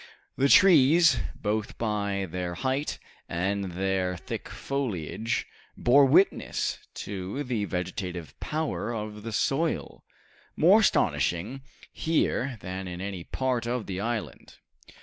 The trees, both by their height and their thick foliage, bore witness to the vegetative power of the soil, more astonishing here than in any other part of the island.